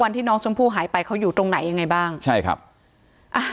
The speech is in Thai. ที่น้องชมพู่หายไปเขาอยู่ตรงไหนยังไงบ้างใช่ครับอ่า